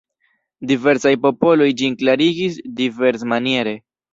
Diversaj popoloj ĝin klarigis diversmaniere.